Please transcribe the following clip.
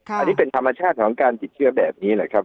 อันนี้เป็นธรรมชาติของการติดเชื้อแบบนี้แหละครับ